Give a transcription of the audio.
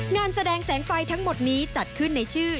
งานแสดงแสงไฟทั้งหมดนี้จัดขึ้นในชื่อ